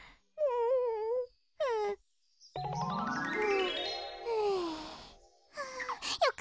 うん。